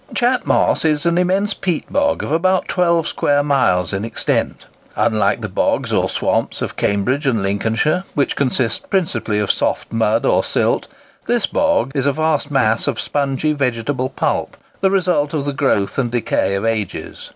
Chat Moss is an immense peat bog of about twelve square miles in extent. Unlike the bogs or swamps of Cambridge and Lincolnshire, which consist principally of soft mud or silt, this bog is a vast mass of spongy vegetable pulp, the result of the growth and decay of ages.